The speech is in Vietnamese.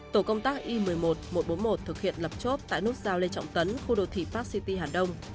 tổ công tác i một mươi một một trăm bốn mươi một thực hiện lập chốt tại nút giao lê trọng tấn khu đô thị pháp city hà đông